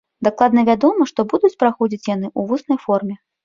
Дакладна вядома, што будуць праходзіць яны ў вуснай форме.